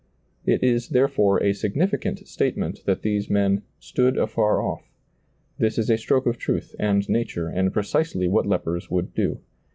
It is, therefore, a significant statement that these men "stood afar off"; this is a stroke of truth and nature, and precisely what lepers would do.